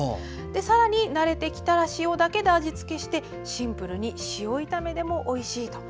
さらに慣れてきたら塩だけで味付けしてシンプルに塩炒めでもおいしいです。